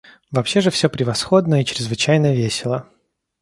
Вообще же всё превосходно и чрезвычайно весело.